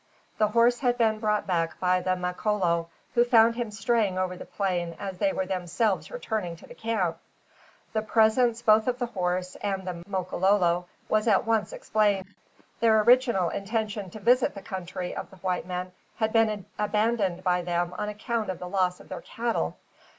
The horse had been brought back by the Makololo, who found him straying over the plain as they were themselves returning to the camp. The presence both of the horse and the Makololo was at once explained. Their original intention to visit the country of the white men had been abandoned by them on account of the loss of their cattle.